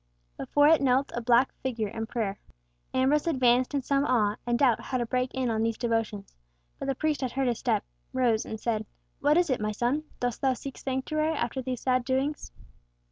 Before it knelt a black figure in prayer. Ambrose advanced in some awe and doubt how to break in on these devotions, but the priest had heard his step, rose and said, "What is it, my son? Dost thou seek sanctuary after these sad doings?"